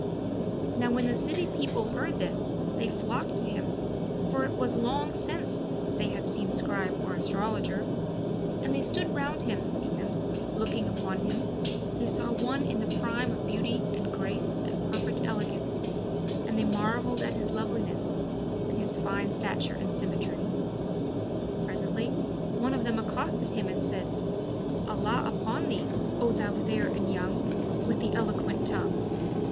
Now when the city people heard this, they flocked to him, for it was long since they had seen Scribe or Astrologer, and they stood round him and, looking upon him, they saw one in the prime of beauty and grace and perfect elegance, and they marvelled at his loveliness, and his fine stature and symmetry. Presently one of them accosted him and said, "Allah upon thee, O thou fair and young, with the eloquent tongue!